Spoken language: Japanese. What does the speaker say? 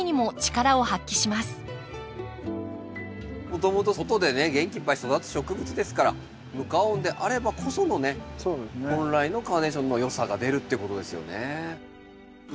もともと外でね元気いっぱい育つ植物ですから無加温であればこそのね本来のカーネーションのよさが出るっていうことですよね。